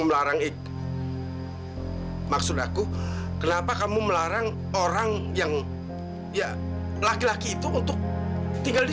melarang itu maksud aku kenapa kamu melarang orang yang ya laki laki itu untuk tinggal di